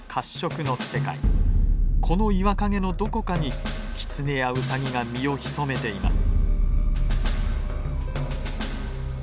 この岩陰のどこかにキツネやウサギが身を潜めています。